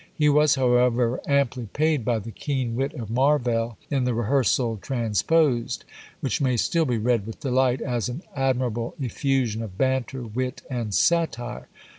He was, however, amply paid by the keen wit of Marvell in "The Rehearsal Transposed," which may still be read with delight, as an admirable effusion of banter, wit, and satire.